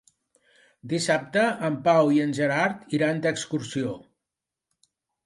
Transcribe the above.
Dissabte en Pau i en Gerard iran d'excursió.